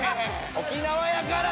沖縄やから。